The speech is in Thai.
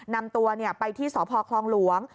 นำตัวไปที่สพคลองหลวง